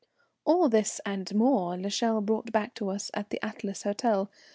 All this and more l'Echelle brought back to us at the Atlas Hotel.